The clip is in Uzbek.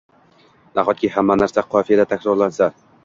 Nahotki hamma narsa qofiyada takrorlansa?